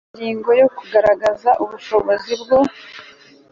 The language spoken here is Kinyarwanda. Ingingo ya Kugaragaza ubushobozi bwo